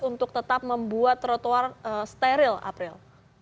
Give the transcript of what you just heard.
untuk tetap membuat trotoar steril april